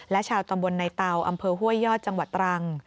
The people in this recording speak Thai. และชาวตำบลในเตาอำเภอห้วยยอดจังหวัดตรัง